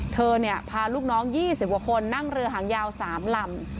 เธอพาลูกน้อง๒๐กว่าคนนั่งเรือหางยาว๓ลำ